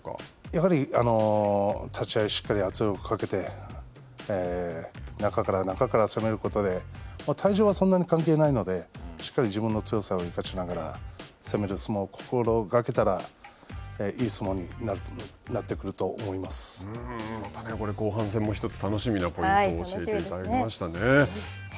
やはり立ち合いしっかり圧力を掛けて、中から中から攻めることで体重はそんなに関係ないので、しっかり自分の強さを生かしながら攻める相撲を心がけたら、いい相撲にな後半戦、１つ楽しみなポイントを教えていただきましたね。